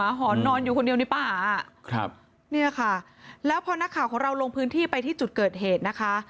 หอนนอนอยู่คนเดียวในป่าอ่ะครับเนี่ยค่ะแล้วพอนักข่าวของเราลงพื้นที่ไปที่จุดเกิดเหตุนะคะ